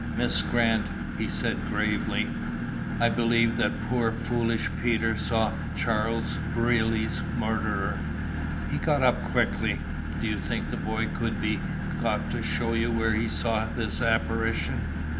"Miss Grant," he said gravely, "I believe that poor foolish Peter saw Charles Brierly's murderer." He got up quickly. "Do you think the boy could be got to show you where he saw this apparition?"